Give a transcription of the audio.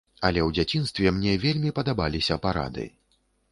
Але ў дзяцінстве мне вельмі падабаліся парады.